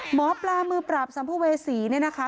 หมอปลามือปราบสัมภเวษีเนี่ยนะคะ